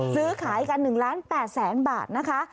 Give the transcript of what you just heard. ซื้อขายกัน๑ล้าน๘แสนบาทนะคะ